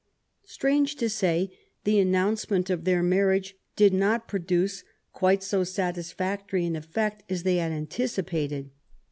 Strange to say, the announcement of their marriage did not produce quite so satisfactory an effect as they had anticipated.